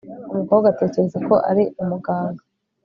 Umukobwa atekereza ko ari umuganga